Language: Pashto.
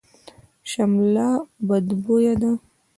شمله بدبویه ده.